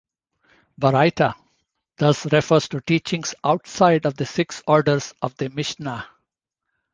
"Baraita" thus refers to teachings "outside" of the six orders of the Mishnah.